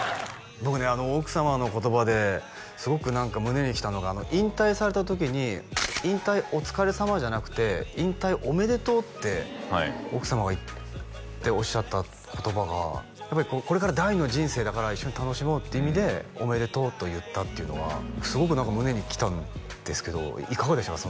僕ね奥様の言葉ですごく何か胸にきたのが引退された時に「引退お疲れさま」じゃなくて「引退おめでとう」って奥様がおっしゃった言葉がやっぱりこれから第二の人生だから一緒に楽しもうっていう意味で「おめでとう」と言ったっていうのはすごく何か胸にきたんですけどいかがでしたか？